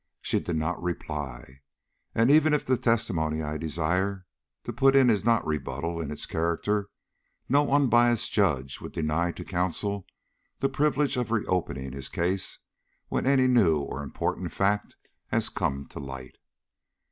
She did not reply. "And even if the testimony I desire to put in is not rebuttal in its character, no unbiassed judge would deny to counsel the privilege of reopening his case when any new or important fact has come to light."